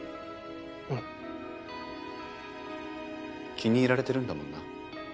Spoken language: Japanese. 気に入られてるんだもんな。